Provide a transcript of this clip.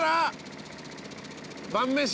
晩飯？